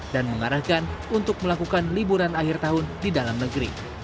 dan mengarahkan untuk melakukan liburan akhir tahun di dalam negeri